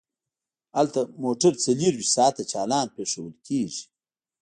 هلته موټر څلور ویشت ساعته چالان پریښودل کیږي